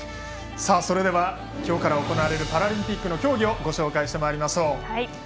それでは今日から行われるパラリンピックの競技をご紹介してまいりましょう。